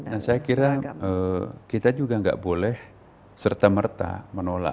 dan saya kira kita juga tidak boleh serta merta menolak